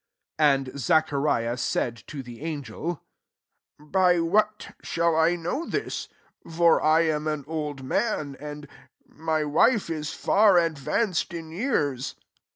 18 And Zachariah aaid to the ngelj tt By what shall I know Ut P for I am an old man^ and ty w^e is far advanced in tars.